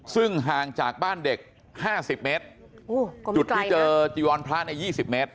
ซึ่งห่างจากบ้านเด็กห้าสิบเมตรอู้วก็ไม่ไกลนะจุดที่เจอจีวรพระในยี่สิบเมตร